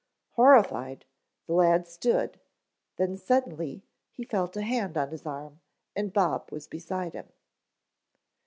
Horrified, the lad stood, then suddenly he felt a hand on his arm and Bob was beside him.